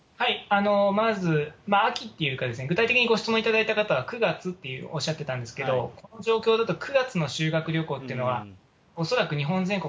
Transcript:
まず秋っていうか具体的にご質問いただいた方は９月っておっしゃってたんですけど、この状況だと９月の修学旅行というのは、恐らく日本全国